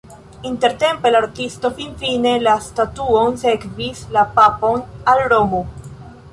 Intertempe la artisto fininte la statuon sekvis la papon al Romo.